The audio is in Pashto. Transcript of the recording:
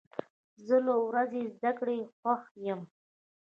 زه له ورځې زده کړې خوښ یم.